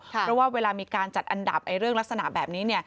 เพราะว่าเวลามีการจัดอันดับเรื่องลักษณะแบบนี้